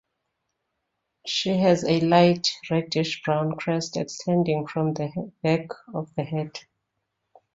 She has a light reddish-brown crest extending from the back of the head.